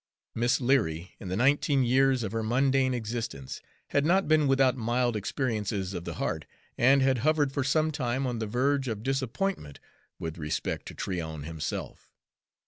Miss Leary, in the nineteen years of her mundane existence, had not been without mild experiences of the heart, and had hovered for some time on the verge of disappointment with respect to Tryon himself.